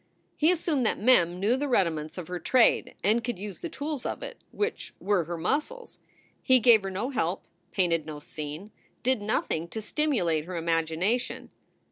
He assumed that Mem knew the rudiments of her trade and could use the tools of it, which were her muscles. He gave her no help, painted no scene, did nothing to stimulate her imagination.